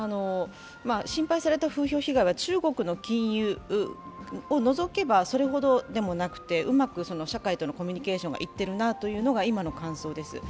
心配された風評被害は中国の禁輸を除けばそれほどでもなくて、うまく社会とのコミュニケーションはいってるなというのが今の感想です。